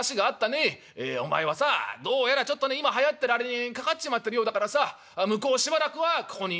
ええお前はさあどうやらちょっとね今はやってるあれにかかっちまってるようだからさ向こうしばらくはここにいておくれ。